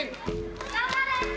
頑張れ！